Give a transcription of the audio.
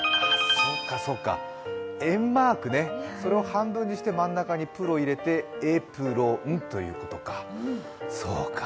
そっかそっか、円マークね、それを半分にして真ん中にプロ入れてエプロンということか、そうか。